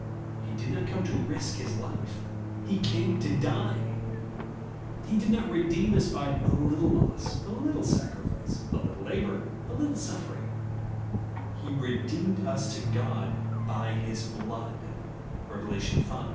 He did not come to rish his life ; he came to die ! He did not redeem us by a little loss, a little sacrifice, a little labour, a little suffering, " He redeemed us to God by his blood," (Rev. v.